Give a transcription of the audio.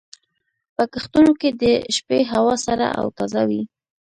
په کښتونو کې د شپې هوا سړه او تازه وي.